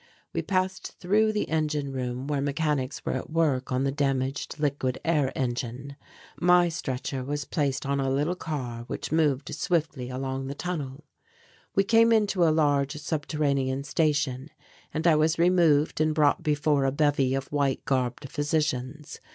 We passed through the engine room where mechanics were at work on the damaged liquid air engine. My stretcher was placed on a little car which moved swiftly along the tunnel. We came into a large subterranean station and I was removed and brought before a bevy of white garbed physicians.